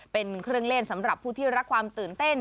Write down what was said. เป็นเครื่องเล่นสำหรับผู้ที่รักความตื่นเต้น